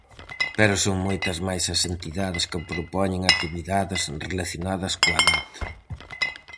Pero son moitas máis as entidades que propoñen actividades relacionadas coa data.